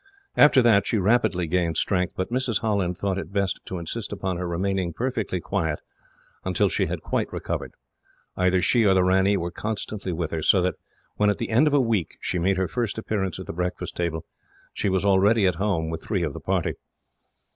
After that, she rapidly gained strength; but Mrs. Holland thought it best to insist upon her remaining perfectly quiet, until she had quite recovered. Either she or the ranee were constantly with her, so that when, at the end of a week, she made her first appearance at the breakfast table, she was already at home with three of the party.